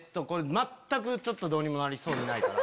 全くどうにもなりそうにないから。